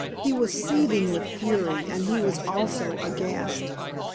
He was seething with fury, and he was also aghast.